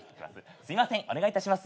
すいませんお願いいたします。